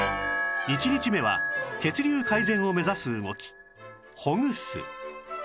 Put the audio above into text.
１日目は血流改善を目指す動きほぐす